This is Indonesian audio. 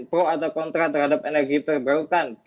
pro atau kontra terhadap energi terbarukan